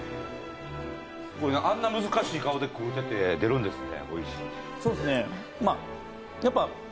あんな難しい顔で食うてて出るんですね